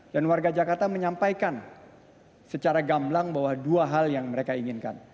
dan warga jakarta menyampaikan secara gamlang bahwa dua hal yang mereka inginkan